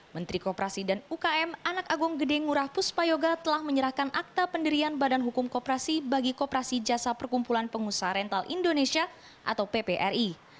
menteri kooperasi dan ukm anak agung gede ngurah puspayoga telah menyerahkan akta pendirian badan hukum kooperasi bagi kooperasi jasa perkumpulan pengusaha rental indonesia atau ppri